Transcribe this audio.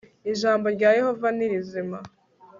ijambo rya yehova ni rizima